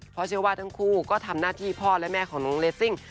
เพราะเชื่อว่าทั้งคู่ก็ทำหน้าที่พ่อและแม่ของน้องเลสซิ่ง